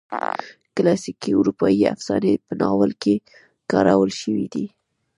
کلاسیکي اروپایي افسانې په ناول کې کارول شوي دي.